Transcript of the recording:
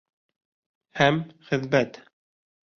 Һәм хеҙмәт.